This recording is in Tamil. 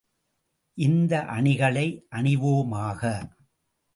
இந்த அணிகளை அணிவோமாக!